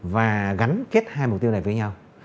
và gắn kết hai mục tiêu này với nhau